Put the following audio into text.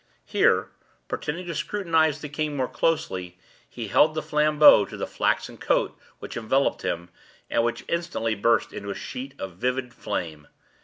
Here, pretending to scrutinize the king more closely, he held the flambeau to the flaxen coat which enveloped him, and which instantly burst into a sheet of vivid flame.